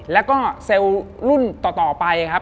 แล้วก็เซลล์รุ่นต่อไปครับ